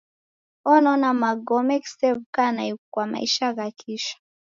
Onona magome ghisew'uka naighu kwa maisha gha kisha.